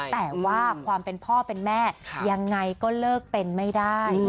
แต่ว่าความเป็นพ่อเป็นแม่ยังไงก็เลิกเป็นไม่ได้